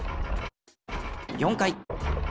４回。